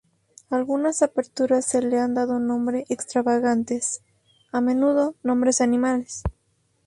A algunas aperturas se le han dado nombres extravagantes, a menudo nombres de animales.